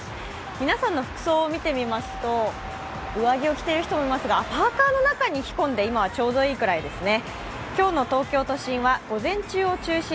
皆さんの服装を見てみますと、上着を着ている人もいますが、パーカーの中に着込んで、今はちょうどいいくらいですね。